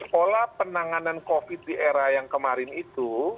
pola penanganan covid di era yang kemarin itu